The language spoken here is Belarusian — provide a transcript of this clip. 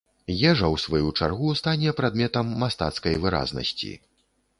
Ежа, у сваю чаргу, стане прадметам мастацкай выразнасці.